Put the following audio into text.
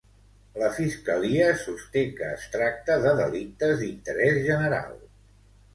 La fiscalia sosté que es tracta de delictes d'interès general.